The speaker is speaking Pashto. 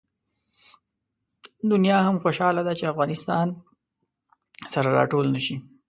دنیا هم خوشحاله ده چې افغانستان سره راټول نه شي.